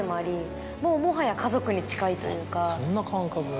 そんな感覚が。